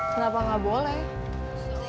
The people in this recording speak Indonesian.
kenapa gak boleh